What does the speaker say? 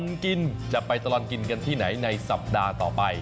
กินจะไปตลอดกินกันที่ไหนในสัปดาห์ต่อไป